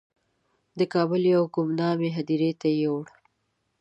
د کابل یوې ګمنامې هدیرې ته یې یووړ.